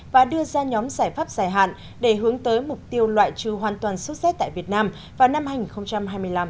và đưa ra nhóm giải pháp dài hạn để hướng tới mục tiêu loại trừ hoàn toàn số z tại việt nam vào năm hai nghìn hai mươi năm